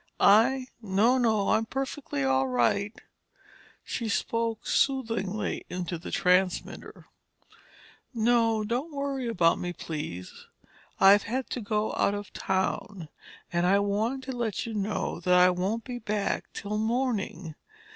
I—no, no, I'm perfectly all right—" she spoke soothingly into the transmitter. "Don't worry about me, please. I've had to go out of town, and I wanted to let you know that I won't be back till morning.